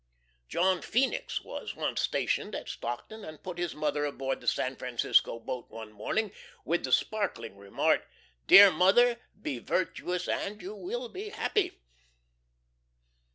John Phoenix was once stationed at Stockton, and put his mother aboard the San Francisco boat one morning with the sparkling remark, "Dear mother, be virtuous and you will be happy!"